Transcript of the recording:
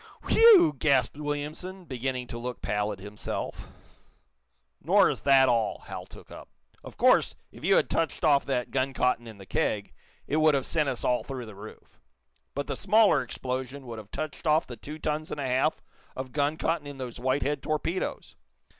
"Whew!" gasped Williamson, beginning to look pallid himself. "Nor is that all," Hal took up. "Of course, if you had touched off that gun cotton in the keg, it would have sent us all through the roof. But the smaller explosion would have touched off the two tons and a half of gun cotton in those Whitehead torpedoes.